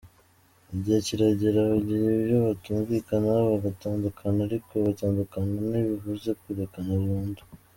Igihe kiragera bagira ibyo batumvikanaho bagatandukana ariko gutandukana ntibivuze kurekana burundu.